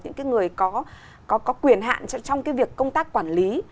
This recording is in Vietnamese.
những cái người có quyền hạn trong cái việc công tác quản lý